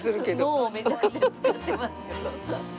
脳をめちゃくちゃ使ってますよ。